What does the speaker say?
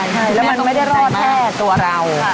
ใช่แล้วมันไม่ได้รอดแค่ตัวเรา